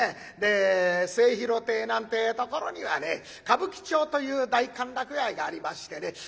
で末廣亭なんてえところにはね歌舞伎町という大歓楽街がありましてね。